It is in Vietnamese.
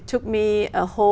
một thành phố